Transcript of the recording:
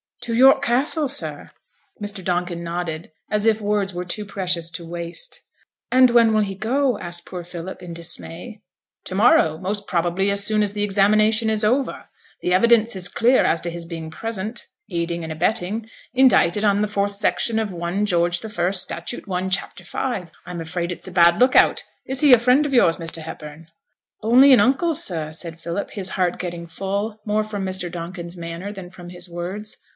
'To York Castle, sir?' Mr. Donkin nodded, as if words were too precious to waste. 'And when will he go?' asked poor Philip, in dismay. 'To morrow: most probably as soon as the examination is over. The evidence is clear as to his being present, aiding and abetting, indicted on the 4th section of 1 George I., statute 1, chapter 5. I'm afraid it's a bad look out. Is he a friend of yours, Mr. Hepburn?' 'Only an uncle, sir,' said Philip, his heart getting full; more from Mr. Donkin's manner than from his words.